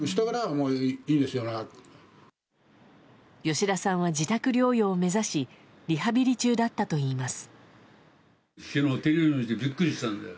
吉田さんは自宅療養を目指しリハビリ中だったといいます。